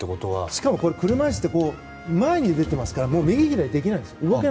しかも車いすって前に出てますから右左に動けないんです